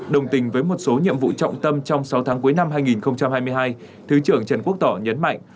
đồng tình với một số nhiệm vụ trọng tâm trong sáu tháng cuối năm hai nghìn hai mươi hai thứ trưởng trần quốc tỏ nhấn mạnh